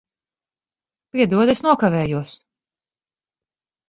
Piedod, es nokavējos.